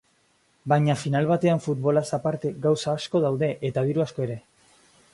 Baina final batean futbolaz aparte gauza asko daude eta diru asko ere.